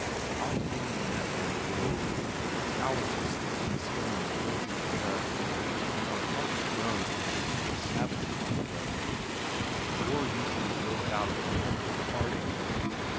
Often when we met on the road, showers of sticks and stones filled the air, and our hearts burned with the heat of savage conflict. War usually broke out at the moment of parting.